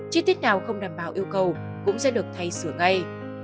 chi tiết nào không đảm bảo yêu cầu cũng sẽ được thay sửa ngay